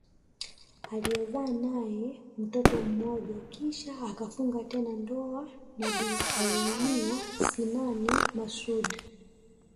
Aliyezaa nae mtoto mmoja kisha akafunga tena ndoa na Bi Aweina Sinani Masoud